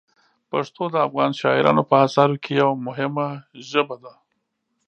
پښتو د افغان شاعرانو په اثارو کې یوه مهمه ژبه ده.